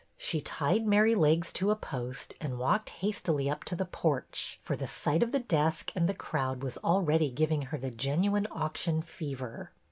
She tied Merrylegs to a post and walked hastily up to the porch, for the sight of the desk and the crowd was already giving her the genuine auction fever.